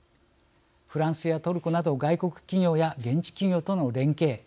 フランスやトルコなど外国企業や現地企業との連携。